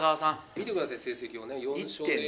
見てください、成績をね。